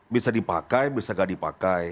bisa dipakai bisa nggak dipakai